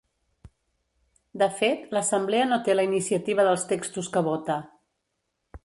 De fet, l'assemblea no té la iniciativa dels textos que vota.